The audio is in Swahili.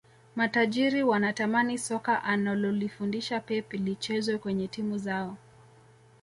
matajiri wanatamani soka analolifundisha pep lichezwe kwenye timu zao